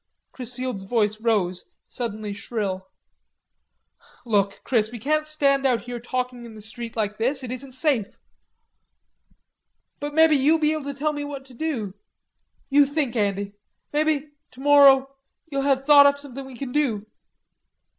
Chrisfield's voice rose, suddenly shrill. "Look, Chris, we can't stand talking out here in the street like this. It isn't safe." "But mebbe you'll be able to tell me what to do. You think, Andy. Mebbe, tomorrow, you'll have thought up somethin' we can do...